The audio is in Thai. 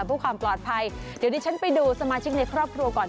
เพื่อความปลอดภัยเดี๋ยวดิฉันไปดูสมาชิกในครอบครัวก่อน